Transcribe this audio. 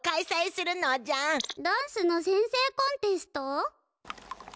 ダンスの先生コンテスト？